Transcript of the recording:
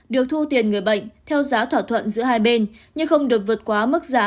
được thu tiền người bệnh theo giá thỏa thuận giữa hai bên nhưng không được vượt quá mức giá